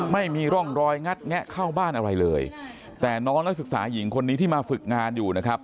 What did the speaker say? ไม่มีร่องรอยงัดแงะเข้าบ้านอะไรเลยแต่น้องนักศึกษาหญิงคนนี้ที่มาฝึกงานอยู่นะครับ